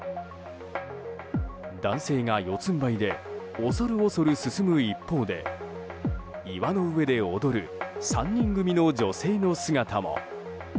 男性が四つんばいで恐る恐る進む一方で岩の上で踊る３人組の女性の姿も。